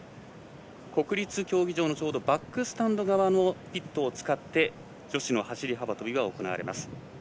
国立競技場のバックスタンド側のピットを使って女子の走り幅跳びが行われます。